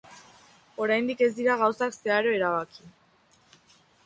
Oraindik ez dira gauzak zeharo erabaki.